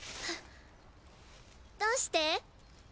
どうして？